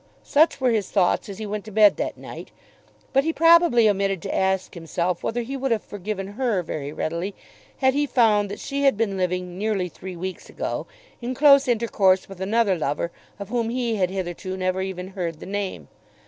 Such were his thoughts as he went to bed that night. But he probably omitted to ask himself whether he would have forgiven her very readily had he found that she had been living "nearly three weeks ago" in close intercourse with another lover of whom he had hitherto never even heard the name.